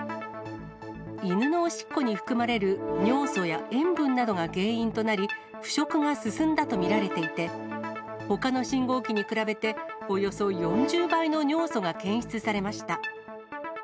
犬のおしっこに含まれる尿素や塩分などが原因となり、腐食が進んだと見られていて、ほかの信号機に比べて、およそ４０倍の尿素が検出されました。